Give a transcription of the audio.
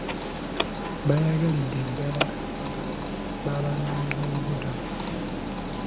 Baayagalidde ddaala abaana b'abanoonyiboobubudamu.